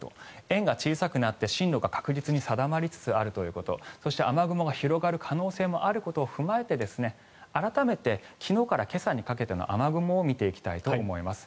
円が小さくなって、進路が確実に定まりつつあるということそして、雨雲が広がる可能性もあることを踏まえて改めて昨日から今朝にかけての雨雲を見ていきたいと思います。